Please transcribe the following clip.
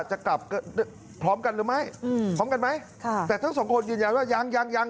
จะกลับพร้อมกันหรือไม่พร้อมกันไหมแต่ทั้ง๒คนเย็นว่ายัง